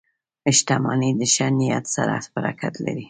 • شتمني د ښه نیت سره برکت لري.